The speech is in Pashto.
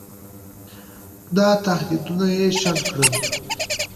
دا تهدیدونه یې شنډ کړل.